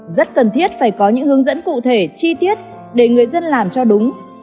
rất cần thiết phải có những hướng dẫn cụ thể chi tiết để người dân làm cho đúng